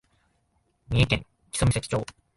三重県木曽岬町